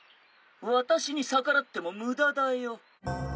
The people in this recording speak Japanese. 私に逆らっても無駄だよ。